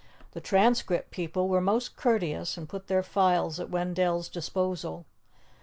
The Transcript people were most courteous and put their files at Wendell's disposal.